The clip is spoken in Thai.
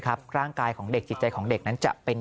ร่างกายของเด็กจิตใจของเด็กนั้นจะเป็น